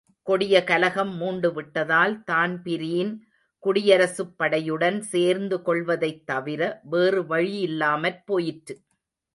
கொடிய கலகம் மூண்டுவிட்டதால், தான்பிரீன் குடியரசுப் படையுடன் சேர்ந்து கொள்வதைத் தவிர வேறு வழியில்லாமற் போயிற்று.